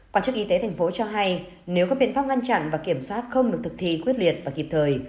quản chức y tế thành phố cho hay nếu các biện pháp ngăn chặn và kiểm soát không được thực thi quyết liệt và kịp thời